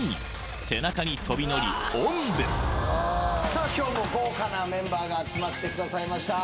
さあ今日も豪華なメンバーが集まってくださいました